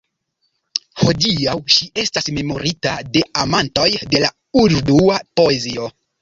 Hodiaŭ ŝi estas memorita de amantoj de la urdua poezio.